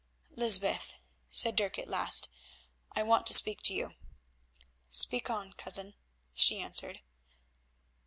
"Lysbeth," said Dirk at last, "I want to speak to you." "Speak on, cousin," she answered.